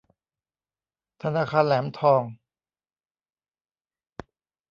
ธนาคารแหลมทอง